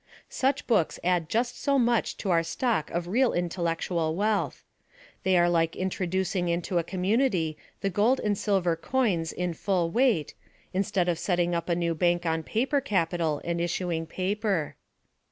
Such books add just so much to our stock of real intel lectual wealth. They are like introducing into a com munity the gold and silver coins in full weight, instead of setting up a new bank on paper capital and issuing paper.